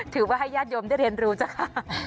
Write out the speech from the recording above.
ถือว่าให้ญาติยมได้เรียนรู้เจ้าค่ะ